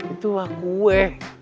itu mah kue